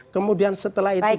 kemudian setelah itu